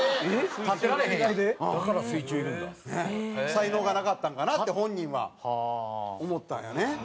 才能がなかったんかなって本人は思ったんやね。